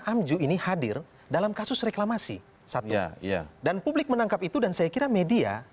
amju ini hadir dalam kasus reklamasi satu ya dan publik menangkap itu dan saya kira media